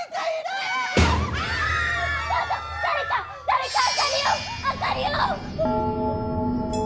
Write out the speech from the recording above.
誰か！